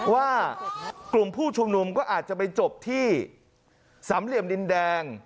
ว่ากลุ่มผู้ชุมนุมก็อาจจะไปจบที่สามเหลี่ยมดินแดง